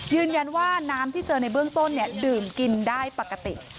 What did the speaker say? ยืนยันว่าน้ำที่เจอในเบื้องต้นดื่มกินได้ปกติ